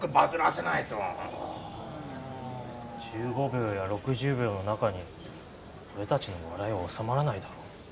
１５秒や６０秒の中に俺たちの笑いは収まらないだろ。